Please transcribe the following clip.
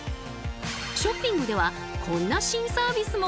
ショッピングではこんな新サービスも！